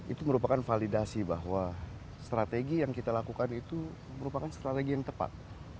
itu merupakan validasi bahwa strategi yang kita lakukan itu merupakan strategi yang tepat